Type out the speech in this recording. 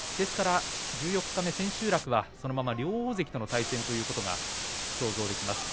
十四日目、千秋楽はそのまま両大関との対戦ということが想像できます。